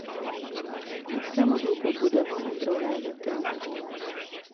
Таксама быў пабудаваны драўляны тэатр.